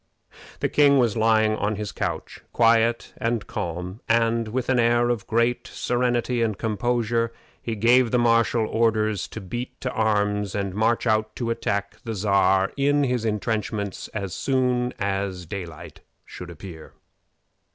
The king was lying on his couch, quiet and calm, and, with an air of great serenity and composure, he gave the marshal orders to beat to arms and march out to attack the Czar in his intrenchments as soon as daylight should appear.